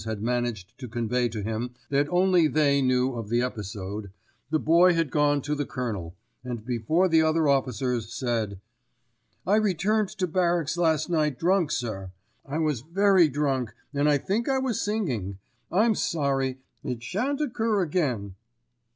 had managed to convey to him that only they knew of the episode, the Boy had gone to the Colonel, and before the other officers said: "I returned to barracks last night drunk, sir. I was very drunk and I think I was singing. I'm sorry. It sha'n't occur again."